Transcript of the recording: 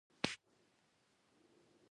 په اسلام کی لاری باسی، زموږ د خاوری بربادی ته